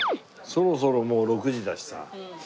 そろそろもう６時だしさ。